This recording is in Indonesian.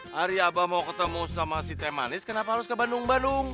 hari abah mau ketemu sama si teh manis kenapa harus ke bandung bandung